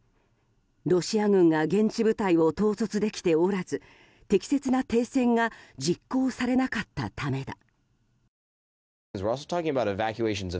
ロシア軍が現地部隊を統率できておらず適切な停戦が実行されなかったためだ。